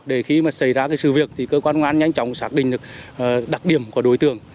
để khi mà xảy ra sự việc thì cơ quan công an nhanh chóng xác định được đặc điểm của đối tượng